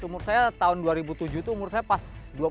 umur saya tahun dua ribu tujuh itu umur saya pas